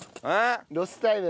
ロスタイム。